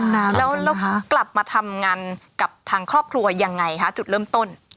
แล้วกลับมาทำงานกับทางครอบครัวยังไงคะจุดเริ่มต้น